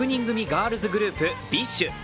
ガールズグループ・ＢｉＳＨ。